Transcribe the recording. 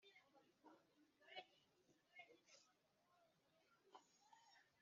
kuva i bulayi kugera mombasa bitajya birenza amafaranga magana atanu kuri toni.